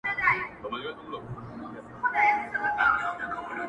اوس دا يم ځم له خپلي مېني څخه’